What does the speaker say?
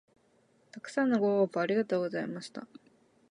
たくさんのご応募ありがとうございました